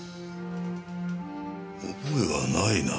覚えはないな。